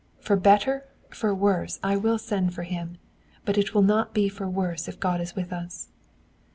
For better, for worse, I will send for him; but it will not be for worse if God is with us."